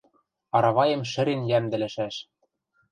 – Араваэм шӹрен йӓмдӹлӹшӓш.